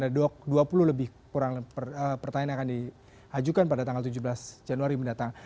ada dua puluh lebih kurang pertanyaan yang akan diajukan pada tanggal tujuh belas januari mendatang